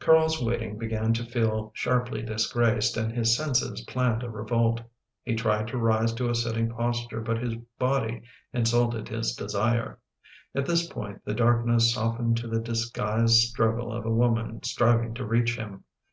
Carl's waiting began to feel sharply disgraced and his senses planned a revolt. He tried to rise to a sitting posture but his body insulted his desire. At this point the darkness softened to the disguised struggle of a woman striving to reach him.